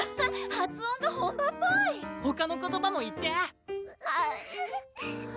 発音が本場っぽいほかの言葉も言って！